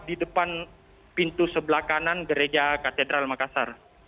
di depan pintu sebelah kanan gereja katedral makassar